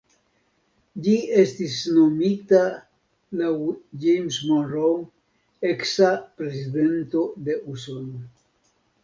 Ĝi estis nomita laŭ James Monroe, eksa prezidento de Usono.